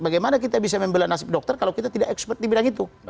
bagaimana kita bisa membela nasib dokter kalau kita tidak ekspert di bidang itu